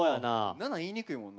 ７言いにくいもんな。